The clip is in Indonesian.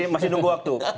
masih nunggu waktu